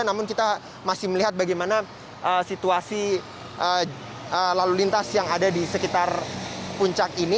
namun kita masih melihat bagaimana situasi lalu lintas yang ada di sekitar puncak ini